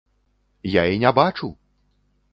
Я і не бачу!